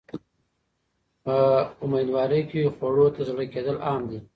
په مېندوارۍ کې خواړو ته زړه کېدل عام دي.